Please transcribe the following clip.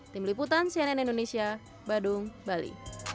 tim liputan cnn indonesia badung bali